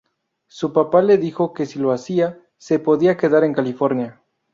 Su papá le dijo que si lo hacía, se podía quedar en California.